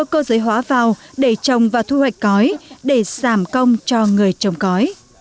cô giới hóa vào để trồng và thu hoạch cõi để giảm công cho người trồng cõi